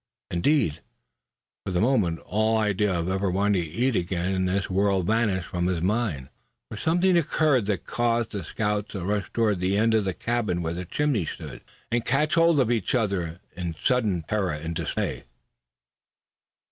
Indeed, for the moment all idea of ever wanting to eat again in this world vanished from his mind; for something occurred that caused the scouts to rush toward the end of the cabin where the chimney stood, and catch hold of each other in sudden terror and dismay.